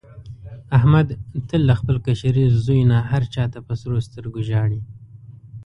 احمد تل له خپل کشري زوی نه هر چا ته په سرو سترګو ژاړي.